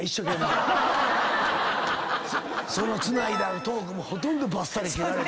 そのつないだトークもほとんどばっさり切られて。